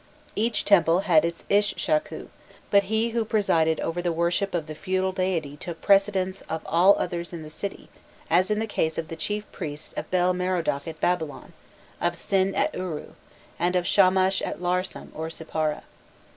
Each temple had its "ishshakku," but he who presided over the worship of the feudal deity took precedence of all the others in the city, as in the case of the chief priests of Bel Merodach at Babylon, of Sin at Uru, and of Shamash at Larsam or Sippara.